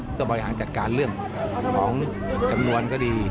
เพื่อบริหารจัดการเรื่องของจำนวนก็ดี